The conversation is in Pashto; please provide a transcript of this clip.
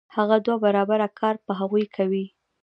هغه دوه برابره کار په هغوی کوي